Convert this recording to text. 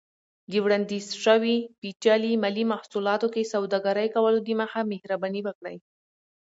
د وړاندیز شوي پیچلي مالي محصولاتو کې سوداګرۍ کولو دمخه، مهرباني وکړئ